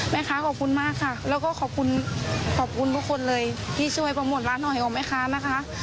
ขอบคุณมากค่ะแล้วก็ขอบคุณขอบคุณทุกคนเลยที่ช่วยโปรโมทร้านหอยของแม่ค้านะคะ